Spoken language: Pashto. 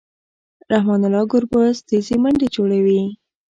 رحمن الله ګربز تېزې منډې جوړوي.